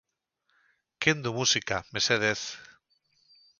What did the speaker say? Kendu musika, mesedez.